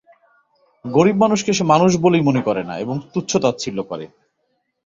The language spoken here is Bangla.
গরীব মানুষকে সে মানুষ বলেই মনে করে না এবং তুচ্ছ-তাচ্ছিল্য করে।